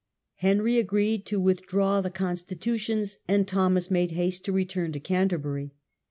Henry agreed to withdraw the Constitutions, and Thomas made haste to return to Canterbury.